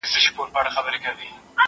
زه به سبا د لوبو لپاره وخت ونيسم!.